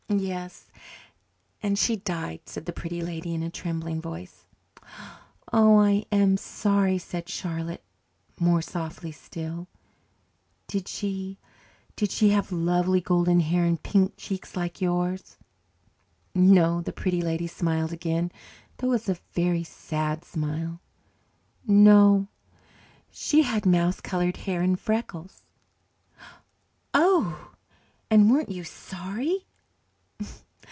"Yes, and she died," said the Pretty Lady in a trembling voice. "Oh, I am sorry," said Charlotte, more softly still. "Did she did she have lovely golden hair and pink cheeks like yours?" "No," the Pretty Lady smiled again, though it was a very sad smile. "No, she had mouse coloured hair and freckles." "Oh! And weren't you sorry?"